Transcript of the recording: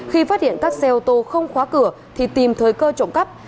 khi phát hiện các xe ô tô không khóa cửa thì tìm thời cơ trộm cắp